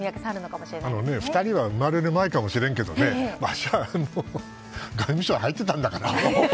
あのね２人は生まれる前かもしれんけど私はもう外務省入ってたんだから。